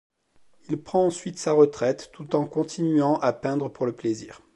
Il prend ensuite sa retraite, tout en continuant à peindre pour le plaisir.